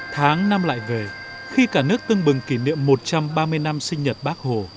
tháng năm lại về khi cả nước tương bừng kỷ niệm một trăm ba mươi năm sinh nhật bác hồ